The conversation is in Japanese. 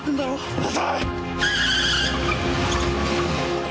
うるさい！